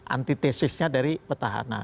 antitesisnya dari petahana